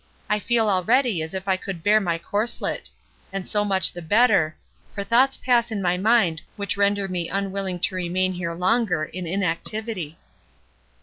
I feel already as if I could bear my corslet; and so much the better, for thoughts pass in my mind which render me unwilling to remain here longer in inactivity."